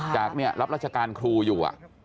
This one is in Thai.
รับราชการครูอยู่